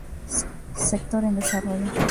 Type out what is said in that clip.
Sector en desarrollo.